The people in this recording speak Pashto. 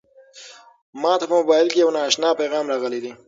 ما ته په موبایل کې یو نااشنا پیغام راغلی دی.